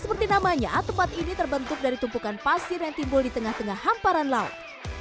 seperti namanya tempat ini terbentuk dari tumpukan pasir yang timbul di tengah tengah hamparan laut